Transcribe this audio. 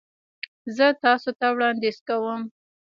زه تاسو ته وړاندیز کوم